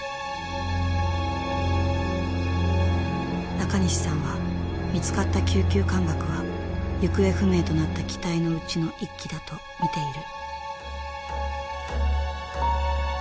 中西さんは見つかった九九艦爆は行方不明となった機体のうちの一機だと見ている。